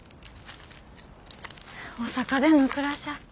大阪での暮らしゃあ